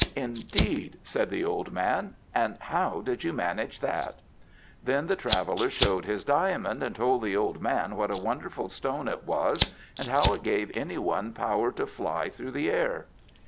"Indeed!" said the old man. "And how did you manage that?" Then the traveller showed his diamond, and told the old man what a wonderful stone it was, and how it gave any one power to fly through the air.